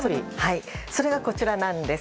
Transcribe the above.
それが、こちらなんです。